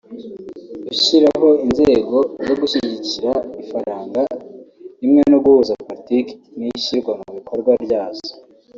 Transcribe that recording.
gushyiraho inzego zo gushyigikira ifaranga rimwe no guhuza politiki n’ishyirwa mu bikorwa ryazo